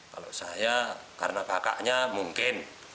kalau saya karena kakaknya mungkin